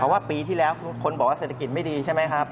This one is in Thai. ว่าปีที่แล้วคนบอกว่าเศรษฐกิจไม่ดีใช่ไหมครับ